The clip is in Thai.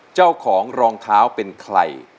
เจ้าของรองเท้าเป็นใคร